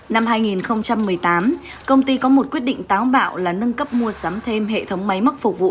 năm hai nghìn một mươi tám công ty có một quyết định táo bạo là nâng cấp mua sắm thêm hệ thống máy móc phục vụ